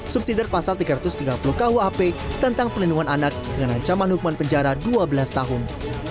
subsidi pasal tiga ratus tiga puluh kuap tentang pelindungan anak dengan ancaman hukuman penjara dua belas tahun